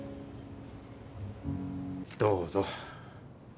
どうぞ。